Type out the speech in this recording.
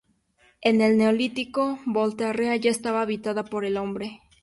En el Neolítico, Volterra ya estaba habitada por el hombre.